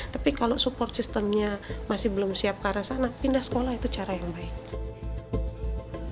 tapi kalau support systemnya masih belum siap ke arah sana pindah sekolah itu cara yang baik